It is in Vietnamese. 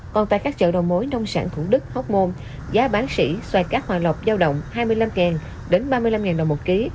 còn tại các chợ đầu mối nông sản thủ đức hóc môn giá bán sỉ xoay cát hòa lọc giao động hai mươi năm ngàn đến ba mươi năm ngàn đồng một ký